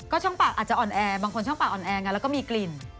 ช่องปากอาจจะอ่อนแอบางคนช่องปากอ่อนแอแล้วก็มีกลิ่น